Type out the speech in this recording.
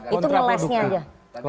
itu ngelesnya aja